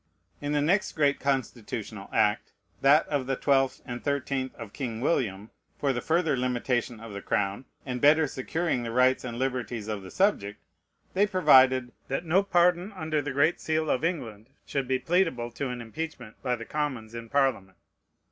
In the next great constitutional act, that of the 12th and 13th of King William, for the further limitation of the crown, and better securing the rights and liberties of the subject, they provided "that no pardon under the great seal of England should be pleadable to an impeachment by the Commons in Parliament."